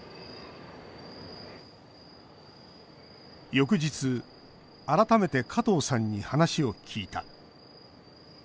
翌日、改めて加藤さんに話を聞いた。